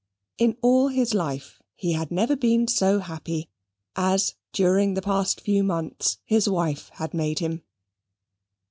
In all his life he had never been so happy, as, during the past few months, his wife had made him.